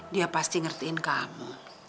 dia pasti ngertiin kamu